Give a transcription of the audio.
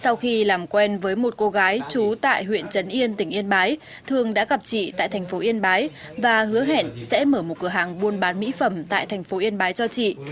sau khi làm quen với một cô gái trú tại huyện trấn yên tỉnh yên bái thường đã gặp chị tại thành phố yên bái và hứa hẹn sẽ mở một cửa hàng buôn bán mỹ phẩm tại thành phố yên bái cho chị